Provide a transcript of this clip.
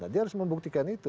dia harus membuktikan itu